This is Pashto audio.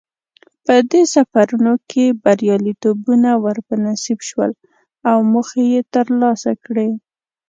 په دې سفرونو کې بریالیتوبونه ور په نصیب شول او موخې یې ترلاسه کړې.